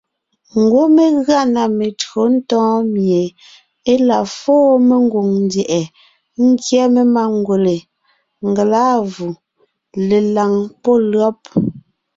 Ngwɔ́ mé gʉa na metÿǒ ntɔ̌ɔn mie e la fóo mengwòŋ ndyɛ̀ʼɛ ngyɛ́ mangwèle, ngelâvù, lelàŋ pɔ́ lÿɔ́b.